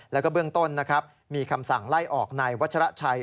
แล้วก็เบื้องต้นนะครับมีคำสั่งไล่ออกในวัชระชัย